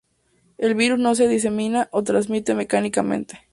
El virus no se disemina o transmite mecánicamente.